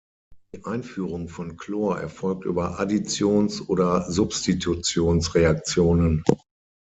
Die Einführung von Chlor erfolgt über Additions- oder Substitutionsreaktionen.